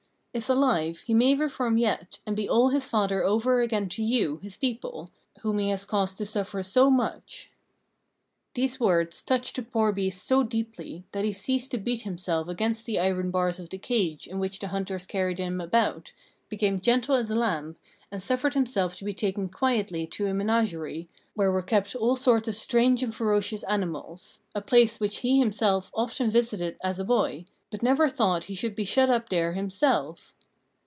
If alive, he may reform yet, and be all his father over again to you, his people, whom he has caused to suffer so much." These words touched the poor beast so deeply that he ceased to beat himself against the iron bars of the cage in which the hunters carried him about, became gentle as a lamb, and suffered himself to be taken quietly to a menagerie, where were kept all sorts of strange and ferocious animals a place which he had himself often visited as a boy, but never thought he should be shut up there himself.